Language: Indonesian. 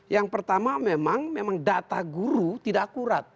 yang pertama memang data guru tidak akurat